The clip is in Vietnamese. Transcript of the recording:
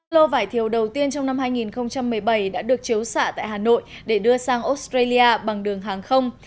lô vải thiều đầu tiên trong năm hai nghìn một mươi bảy đã được chiếu xạ tại hà nội để đưa sang australia bằng đường hàng không